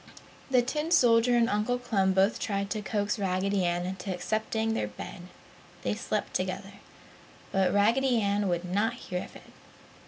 The tin soldier and Uncle Clem both tried to coax Raggedy Ann into accepting their bed (they slept together), but Raggedy Ann would not hear of it.